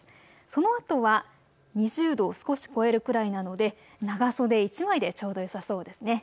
そのあとは２０を少し超えるくらいなので長袖１枚でちょうどよさそうですね。